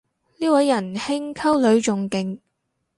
呢位人兄溝女仲勁